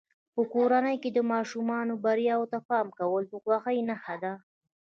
په کورنۍ کې د ماشومانو بریاوو ته پام کول د خوښۍ نښه ده.